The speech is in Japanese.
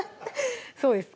そうです